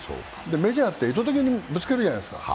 メジャーって意図的にぶつけるじゃないですか。